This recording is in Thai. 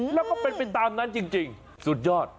แล้วก็เป็นไปตามนั้นจริงสุดยอด